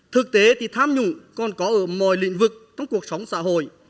thực tế thì tham nhũng còn có ở mọi lĩnh vực trong cuộc sống xã hội